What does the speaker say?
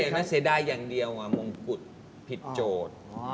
น้องคุณแม่งเสียดายอย่างเดียวมงคุดผิดโจทย์